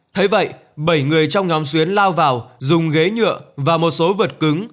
thấy vậy bảy người trong nhóm xuyến lao vào dùng ghế nhựa và một số vật cứng